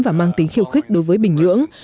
và mang tính khiêu khích đối với bình nhưỡng